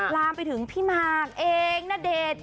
ลามไปถึงพี่มากเองณเดชน์